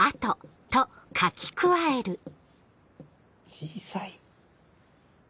小さい。